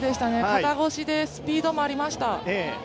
肩越しでスピードもありました。